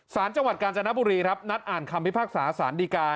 สารจังหวัดกาญจนบุรีครับนัดอ่านคำพิพากษาสารดีการ